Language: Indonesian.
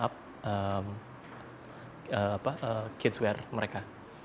dan kita juga bisa membuat pakaian untuk kidswear mereka